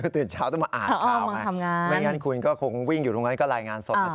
ตื่นเช้าต้องมาอ่านเขาไหมค่ะไม่งั้นคุณคงวิ่งอยู่ตรงนั้นก็ก็รายงานสดมา